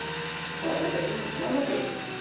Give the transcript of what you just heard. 取られてしまいますよ。